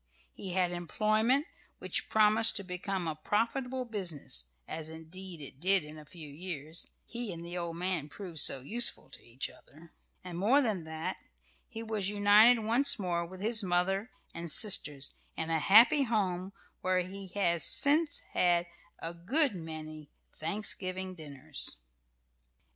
He had employment which promised to become a profitable business (as indeed it did in a few years, he and the old man proved so useful to each other); and, more than that, he was united once more with his mother and sisters in a happy home where he has since had a good many Thanksgiving dinners.